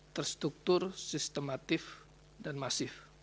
terstruktur sistematif dan masif